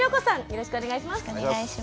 よろしくお願いします。